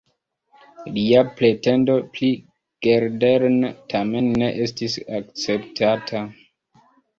Lia pretendo pri Geldern tamen ne estis akceptata.